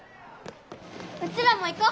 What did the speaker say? うちらも行こう。